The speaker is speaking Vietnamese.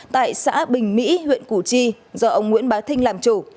tại xã bình mỹ huyện củ chi do ông nguyễn bá thinh làm chủ